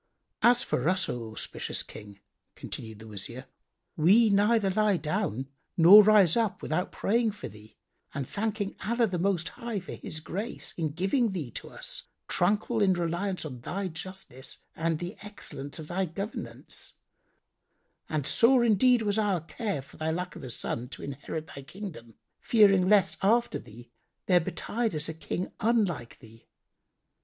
"As for us, O auspicious King" continued the Wazir, "we neither lie down nor rise up without praying for thee and thanking Allah the Most High for His grace in giving thee to us, tranquil in reliance on thy justice and the excellence of thy governance; and sore indeed was our care for thy lack of a son to inherit thy kingdom, fearing lest after thee there betide us a King unlike thee.